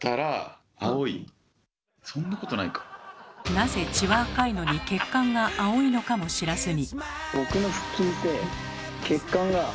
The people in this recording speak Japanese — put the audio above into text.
なぜ血は赤いのに血管が青いのかも知らずに。